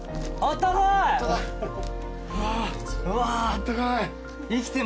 あったかい。